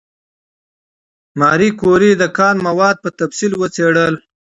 ماري کوري د کان مواد په تفصیل وڅېړل.